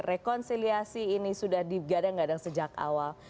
rekonsiliasi ini sudah digadang gadang sejak awal